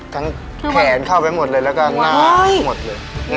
แขนเข้าไปหมดเลยแล้วก็หน้าหมดเลย